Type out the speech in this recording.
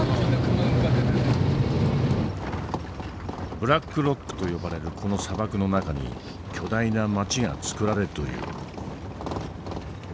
ブラックロックと呼ばれるこの砂漠の中に巨大な街が造られるという。